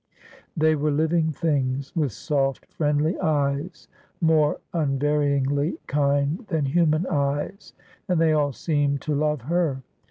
They were living things, with soft friendly eyes, more unvaryingly kind than human eyes, and they all seemed to love her.